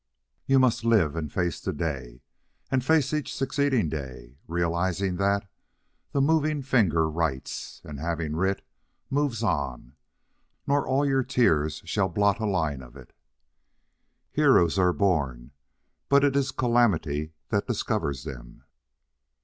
You must live and face the day, and face each succeeding day, realizing that "the moving finger writes, and having writ moves on, nor all your tears shall blot a line of it." Heroes are born, but it is calamity that discovers them.